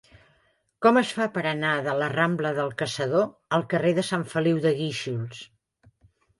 Com es fa per anar de la rambla del Caçador al carrer de Sant Feliu de Guíxols?